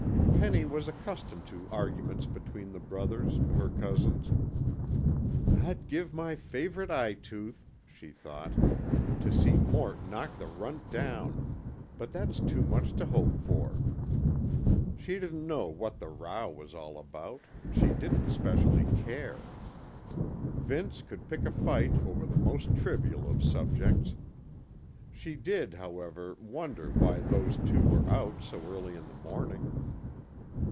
Penny was accustomed to arguments between the brothers, her cousins. "I'd give my favorite eyetooth," she thought, "to see Mort knock the runt down, but that's too much to hope for." She didn't know what the row was all about, she didn't especially care. Vince could pick a fight over the most trivial of subjects. She did, however, wonder why those two were out so early in the morning.